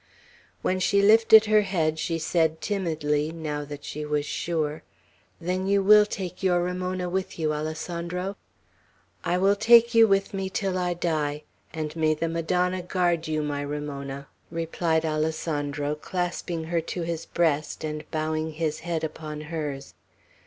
When she lifted her head, she said timidly, now that she was sure, "Then you will take your Ramona with you, Alessandro?" "I will take you with me till I die; and may the Madonna guard you, my Ramona," replied Alessandro, clasping her to his breast, and bowing his head upon hers.